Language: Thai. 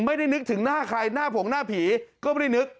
นึกถึงหน้าใครหน้าผงหน้าผีก็ไม่ได้นึก